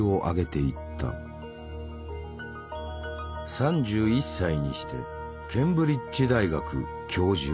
３１歳にしてケンブリッジ大学教授。